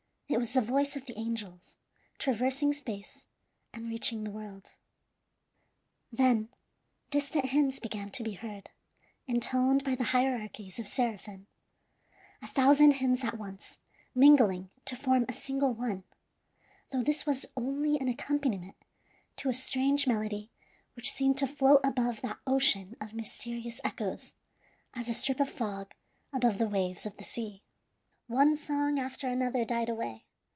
It was the voice of the angels, traversing space, and reaching the world. Then distant hymns began to be heard, intoned by the hierarchies of seraphim; a thousand hymns at once, mingling to form a single one, though this one was only an accompaniment to a strange melody which seemed to float above that ocean of mysterious echoes, as a strip of fog above the waves of the sea. One song after another died away.